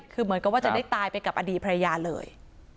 คือเหมือนกับว่าจะได้ตายไปกับอดีตภรรยาเลย